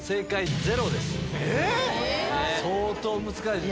相当難しいです。